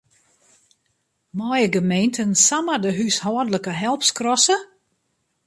Meie gemeenten samar de húshâldlike help skrasse?